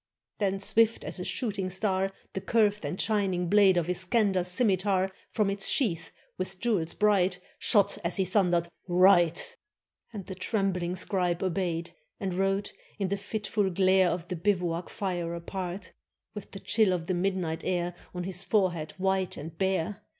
Then swift as a shooting star The curved and shining blade Of Iskander's scimitar From its sheath, with jewels bright, Shot, as he thundered: "Write!" And the trembling scribe obeyed, And wrote in the fitful glare Of the bivouac fire apart, With the chill of the midnight air On his forehead white and bare.